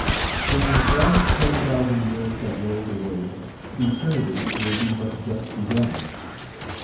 When thrice ten thousand years have rolled away, eternity will be but just begun.